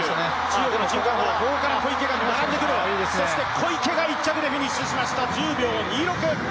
小池が１着でフィニッシュしました１０秒０６。